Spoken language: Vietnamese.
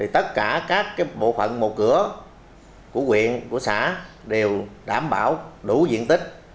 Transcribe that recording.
tất cả các bộ phận một cửa của quyện của xã đều đảm bảo đủ diện tích